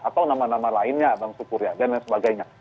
atau nama nama lainnya bang sukurya dan sebagainya